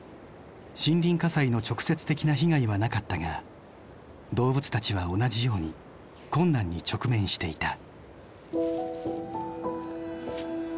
森林火災の直接的な被害はなかったが動物たちは同じように困難に直面していた。